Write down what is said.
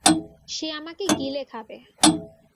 সে আমাকে গিলে খাবে!